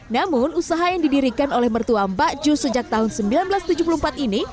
namun usaha yang didirikan oleh mertua mbak ju sejak tahun seribu sembilan ratus tujuh puluh empat ini